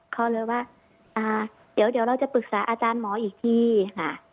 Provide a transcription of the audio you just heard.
เขาเลยว่าเดี๋ยวเราจะปรึกษาอาจารย์หมออีกทีค่ะ